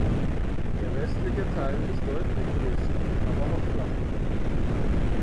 Der westliche Teil ist deutlich größer, aber auch flacher.